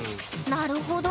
なるほど。